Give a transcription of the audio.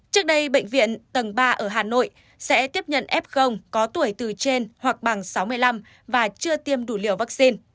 trước đây bệnh viện tầng ba ở hà nội sẽ tiếp nhận f có tuổi từ trên hoặc bằng sáu mươi năm và chưa tiêm đủ liều vaccine